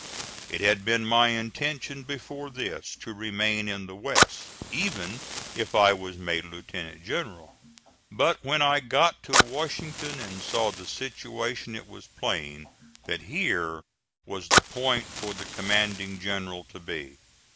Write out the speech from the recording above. It had been my intention before this to remain in the West, even if I was made lieutenant general; but when I got to Washington and saw the situation it was plain that here was the point for the commanding general to be.